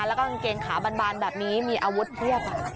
แล้วก็กางเกงขาบานแบบนี้มีอาวุธเพียบ